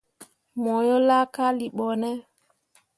Mo yo laakalii ɓo ne ?